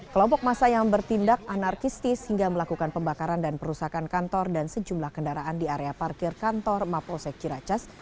kelompok masa yang bertindak anarkistis hingga melakukan pembakaran dan perusakan kantor dan sejumlah kendaraan di area parkir kantor mapolsek ciracas